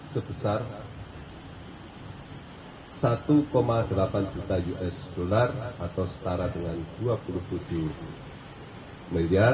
sebesar satu delapan juta usd atau setara dengan dua puluh tujuh miliar